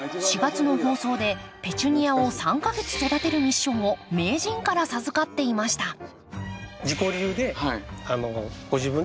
４月の放送でペチュニアを３か月育てるミッションを名人から授かっていました